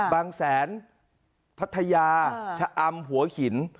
บางแสนพัทยาชะอำหัวหิน